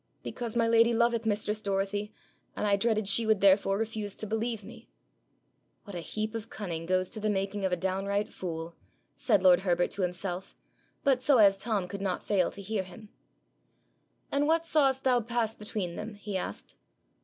'Because my lady loveth mistress Dorothy, and I dreaded she would therefore refuse to believe me.' 'What a heap of cunning goes to the making of a downright fool!' said lord Herbert to himself, but so as Tom could not fail to hear him. 'And what saw'st thou pass between them?' he asked.